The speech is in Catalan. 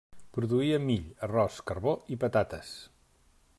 Produïa mill, arròs, carbó i patates.